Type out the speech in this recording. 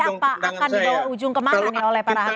kenapa akan dibawa ujung kemana nih oleh para ahli